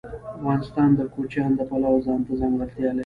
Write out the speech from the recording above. افغانستان د کوچیان د پلوه ځانته ځانګړتیا لري.